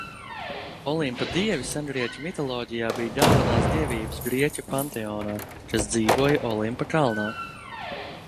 Olimpa dievi sengrieķu mitoloģijā bija galvenās dievības grieķu panteonā, kas dzīvoja Olimpa kalnā.